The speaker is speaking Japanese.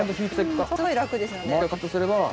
そうすごい楽ですよね。